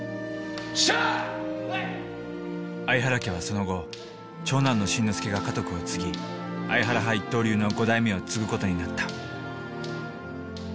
相原家はその後長男の慎之介が家督を継ぎ相原派一刀流の五代目を継ぐ事になった。